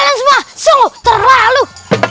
kalian semua sungguh terlalu